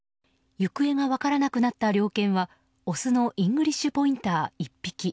行方が分からなくなった猟犬はオスのイングリッシュ・ポインター１匹。